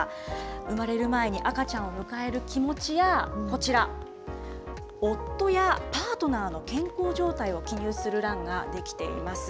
産まれる前に赤ちゃんを迎える気持ちや、こちら、夫やパートナーの健康状態を記入する欄が出来ています。